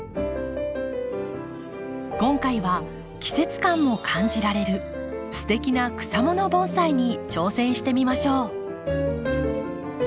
今回は季節感も感じられるすてきな草もの盆栽に挑戦してみましょう。